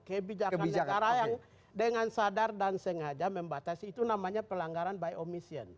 kebijakan negara yang dengan sadar dan sengaja membatasi itu namanya pelanggaran by omission